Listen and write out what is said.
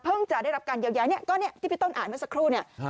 จะได้รับการเยียวยาเนี่ยก็เนี่ยที่พี่ต้นอ่านเมื่อสักครู่เนี่ย